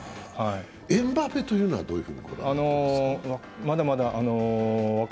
エムバペというのはどういうふうにご覧になりますか？